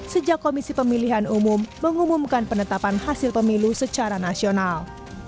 sejak komisi pemilihan umum mengumumkan penetapan hasil pemilu secara nasional